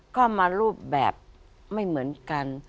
ก็มารูปแบบไม่เหมือนกัน